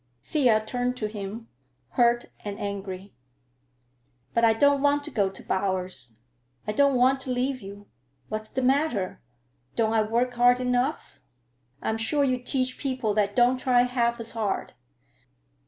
Thea turned to him, hurt and angry. "But I don't want to go to Bowers. I don't want to leave you. What's the matter? Don't I work hard enough? I'm sure you teach people that don't try half as hard."